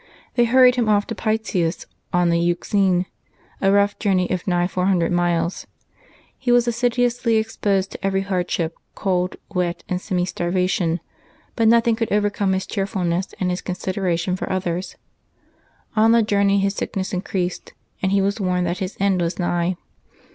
They hurried him off to Pytius on the Euxine, a rough journey of nigh 400 miles. He was assiduously exposed to every hardship, cold, wet, and semi starvation, but noth ing could overcome his cheerfulness and his consideration for others. On the journey his sickness increased, and he was warned that his end was nigh.